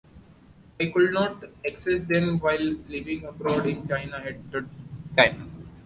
I could not access them while living abroad in China at the time.